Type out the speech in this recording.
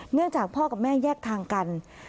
เนื่องจากพ่อกับแม่แยกทางกัน